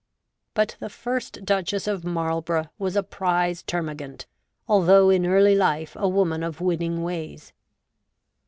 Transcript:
But the first Duchess of Marlborough was a prize termagant, although in early life a woman of winning ways.